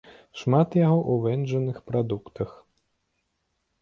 Шмат яго у вэнджаных прадуктах.